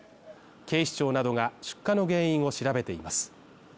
警視庁などが出火の原因を調べています。